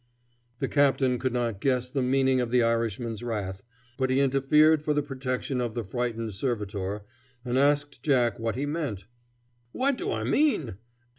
The captain could not guess the meaning of the Irishman's wrath, but he interfered for the protection of the frightened servitor, and asked Jack what he meant. "What do I mean?